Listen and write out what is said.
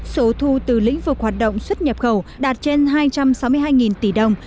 số thu từ lĩnh vực hoạt động xuất nhập khẩu đạt trên hai trăm sáu mươi hai tỷ đồng